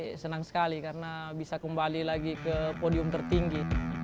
saya senang sekali karena bisa kembali lagi ke podium tertinggi